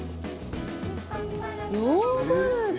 「ヨーグルト！」